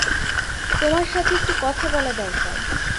তোমার সাথে একটু কথা বলার দরকার।